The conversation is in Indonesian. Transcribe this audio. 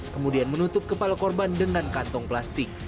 kemudian menutup kepala korban dengan kantong plastik